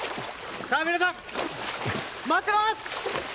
皆さん、待ってます！